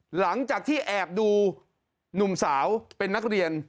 หลังจากที่แอบดูหนุ่มสาวเป็นนักเรียน